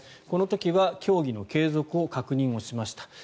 この時は協議の継続の確認をしました。